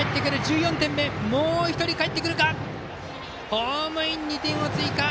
ホームイン、２点追加！